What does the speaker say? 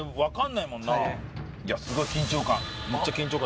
いやすごい緊張感。